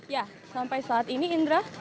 ya sampai saat ini indra